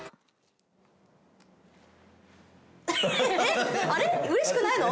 えっあれ嬉しくないの？